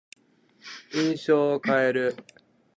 印象を変える。